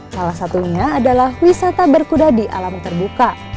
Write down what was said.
salah satunya adalah wisata berkuda di alam terbuka